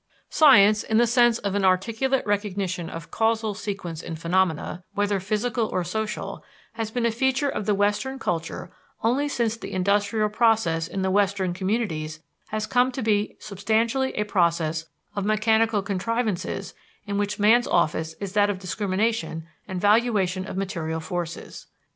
Science, in the sense of an articulate recognition of causal sequence in phenomena, whether physical or social, has been a feature of the Western culture only since the industrial process in the Western communities has come to be substantially a process of mechanical contrivances in which man's office is that of discrimination and valuation of material forces.